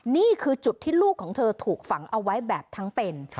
นี่คือจุดที่ลูกของเธอถูกฝังเอาไว้แบบทั้งเป็น